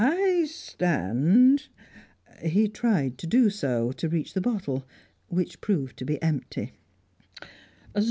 I st tand " He tried to do so, to reach the bottle, which proved to be empty.